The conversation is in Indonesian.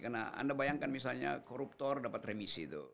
karena anda bayangkan misalnya koruptor dapat remisi